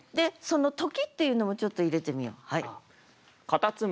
「時」っていうのもちょっと入れてみよう。